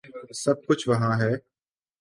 سب کچھ وہاں ہے۔